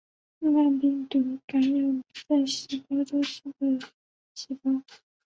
慢病毒感染不在细胞周期的细胞。